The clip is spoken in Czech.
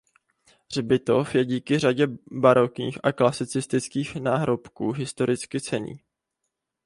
Hřbitov je díky řadě barokních a klasicistních náhrobků historicky cenný.